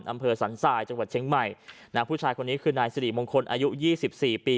อำเภอสันทรายจังหวัดเชียงใหม่นะผู้ชายคนนี้คือนายสิริมงคลอายุยี่สิบสี่ปี